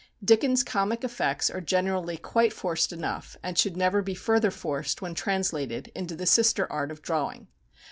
Dickens' comic effects are generally quite forced enough, and should never be further forced when translated into the sister art of drawing.